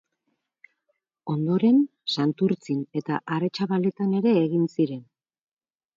Ondoren, Santurtzin eta Aretxabaletan ere egin ziren.